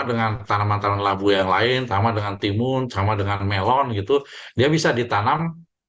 dengan tanaman tanaman labu yang lain sama dengan timun sama dengan melon gitu dia bisa ditanam